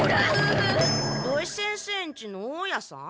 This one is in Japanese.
土井先生んちの大家さん？